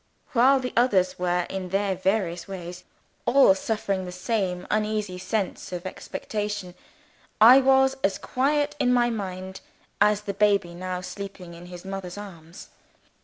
While the others were, in their various ways, all suffering the same uneasy sense of expectation, I was as quiet in my mind as the baby now sleeping in his mother's arms.